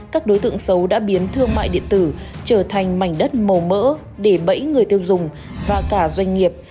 các đối tượng xấu đã biến thương mại điện tử trở thành mảnh đất màu mỡ để bẫy người tiêu dùng và cả doanh nghiệp